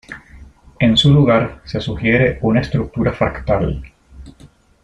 En su lugar se sugiere una estructura fractal.